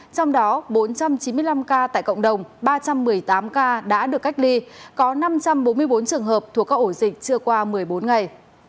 trong đó bốn trăm chín mươi năm ca tại cộng đồng ba trăm một mươi tám ca đã được cách ly có năm trăm bốn mươi bốn trường hợp thuộc các ổ dịch chưa qua một mươi bốn ngày